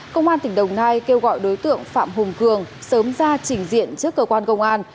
công an tỉnh đồng nai kêu gọi đối tượng phạm hùng cường sớm ra trình diện trước cơ quan công an